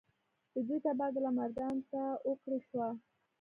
د دوي تبادله مردان ته اوکړے شوه ۔